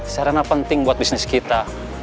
sarana penting buat bisnis kita